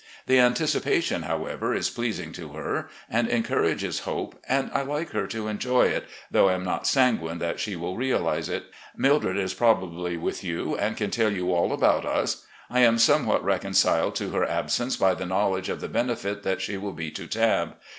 The anticipation, however, is pleasing to her and encourages hope, and I like her to enjoy it, though am not sanguine that she will realise it. Mildred is probably with you, and can tell you all about us. I am somewhat reconciled to her absence by the knowledge of the benefit that she will be to Tabb.